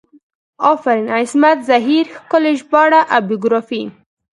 افرین عصمت زهیر ښکلي ژباړه او بیوګرافي